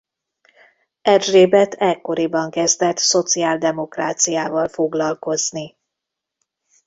Erzsébet ekkoriban kezdett szociáldemokráciával foglalkozni.